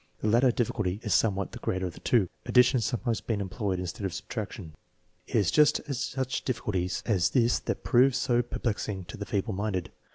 The latter difficulty is somewhat the greater of the two, addition sometimes being employed instead of subtraction. It is just such difficulties as this that prove so perplex ing to the feeble minded.